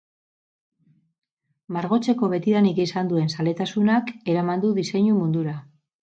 Margotzeko betidanik izan duen zaletasunak eraman du diseinu mundura.